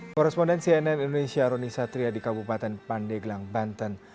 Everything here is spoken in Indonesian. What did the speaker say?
korresponden cnn indonesia roni satria di kabupaten pandeglang banten